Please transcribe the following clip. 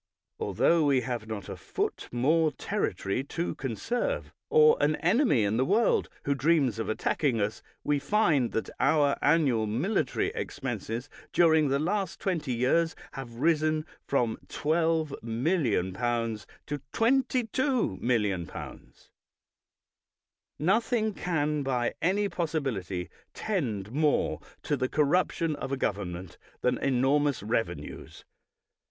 Altho we have not a foot more territory to conserve, or an enemy in the world who dreams of attacking us, we find that our annual military expenses during the last twenty years have risen from 12,000,000L to 22,000,d00Z. Nothing can by any possibility tend more to the corruption of a government than enormous revenues.